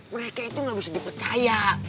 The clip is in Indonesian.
mereka itu nggak bisa dipercaya